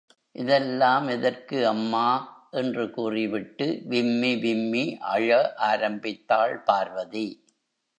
இதெல்லாம் எதற்கு அம்மா? என்று கூறிவிட்டு விம்மி விம்மி அழ ஆரம்பித்தாள் பார்வதி.